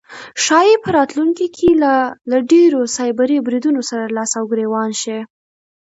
ښایي په راتلونکی کې له لا ډیرو سایبري بریدونو سره لاس او ګریوان شي